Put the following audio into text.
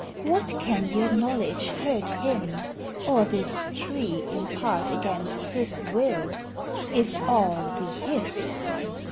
What can your knowledge hurt him, or this tree Impart against his will, if all be his?